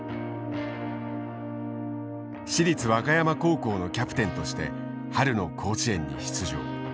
市立和歌山高校のキャプテンとして春の甲子園に出場。